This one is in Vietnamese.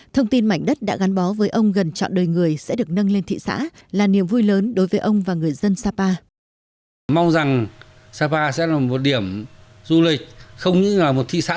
thông tin mảnh đất đã gắn bó với ông gần trọn đời người sẽ được nâng lên thị xã là niềm vui lớn đối với ông và người dân sapa